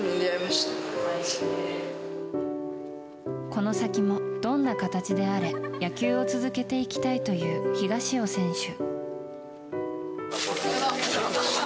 この先も、どんな形であれ野球を続けていきたいという東尾選手。